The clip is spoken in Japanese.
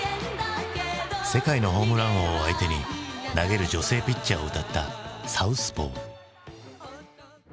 世界のホームラン王を相手に投げる女性ピッチャーを歌った「サウスポー」。